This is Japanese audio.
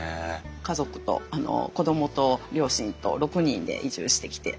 家族と子供と両親と６人で移住してきて。